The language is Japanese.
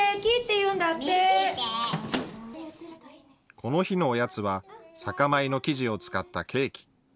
この日のおやつは酒米の生地を使ったケーキ。